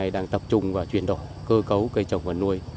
đang tập trung chuyển đổi cơ cấu cây trồng và nuôi